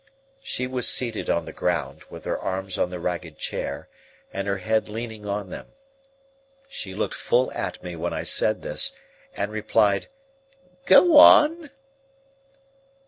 She was seated on the ground, with her arms on the ragged chair, and her head leaning on them. She looked full at me when I said this, and replied, "Go on."